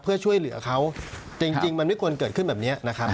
เพื่อช่วยเหลือเขาจริงมันไม่ควรเกิดขึ้นแบบนี้นะครับ